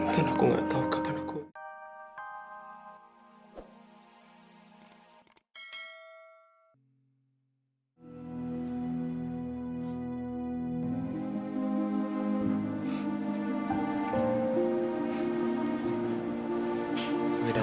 dan aku tidak tahu kapan aku akan